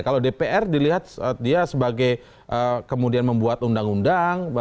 kalau dpr dilihat dia sebagai kemudian membuat undang undang